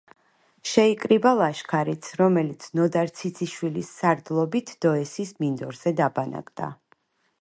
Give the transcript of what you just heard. შეიკრიბა ლაშქარიც, რომელიც ნოდარ ციციშვილის სარდლობით დოესის მინდორზე დაბანაკდა.